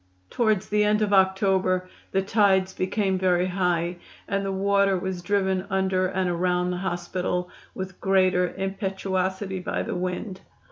Towards the end of October the tides became very high, and the water was driven under and around the hospital with greater impetuosity by the wind.